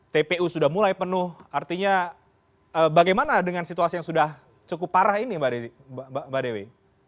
tpu sudah mulai penuh artinya bagaimana dengan situasi yang sudah cukup parah ini mbak dewi